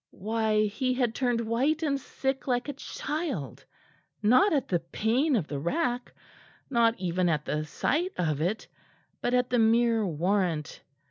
Why, he had turned white and sick like a child, not at the pain of the rack, not even at the sight of it, but at the mere warrant!